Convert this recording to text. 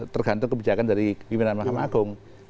tergantung kebijakan dari pimpinan mahkamah agung